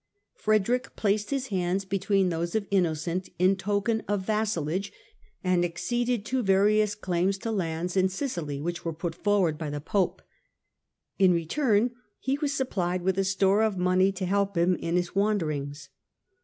Frederick placed his hands between those of Innocent in token of vassalage and acceded to various claims to lands in Sicily which were put forward by the Pope. In return he was supplied with a store of money to help him in his wanderings.